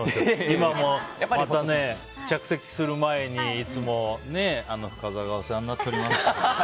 今もまた着席する前にいつも、深澤がお世話になっておりますって。